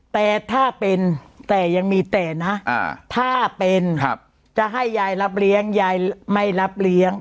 แต่ถ้าเป็นแต่ยังมีแต่นะถ้าเป็นจะให้ยายรับเลี้ยงยายไม่รับเลี้ยง